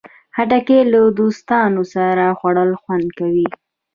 خټکی له دوستانو سره خوړل خوند کوي.